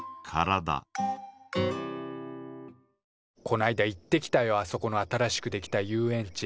こないだ行ってきたよあそこの新しくできた遊園地。